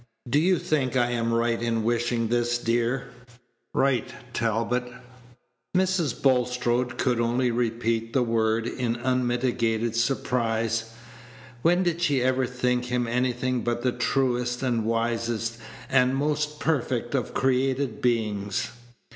Do you think I am right in wishing this, dear?" "Right, Talbot!" Mrs. Bulstrode could only repeat the word in unmitigated surprise. When did she ever think him anything but the truest, and wisest, and most perfect of created beings?